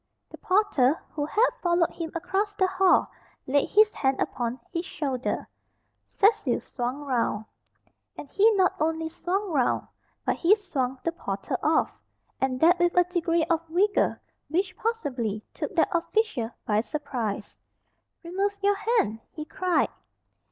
The porter who had followed him across the hall laid his hand upon his shoulder. Cecil swung round. And he not only swung round, but he swung the porter off, and that with a degree of vigour which possibly took that official by surprise. "Remove your hand!" he cried.